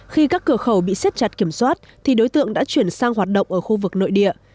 khi các cửa khẩu bị xếp chặt kiểm soát thì đối tượng đã chuyển sang hoạt động ở khu vực nội địa